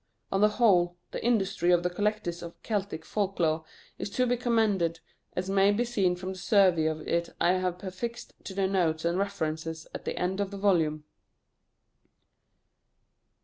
On the whole, the industry of the collectors of Celtic folk lore is to be commended, as may be seen from the survey of it I have prefixed to the Notes and References at the end of the volume.